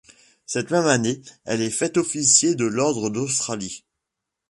Cette même année, elle est faite officier de l'Ordre d'Australie.